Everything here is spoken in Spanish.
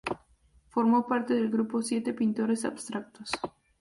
Formó parte del grupo Siete Pintores Abstractos.